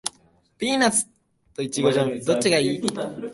ピーナッツとイチゴジャム、どっちがいい？